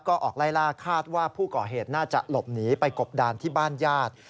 ก็ออกไล่ล่าคาดว่าผู้ก่อเหตุน่าจะหลบหนีไปกบดานที่บ้านญาติ